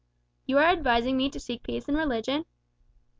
"You are advising me to seek peace in religion?"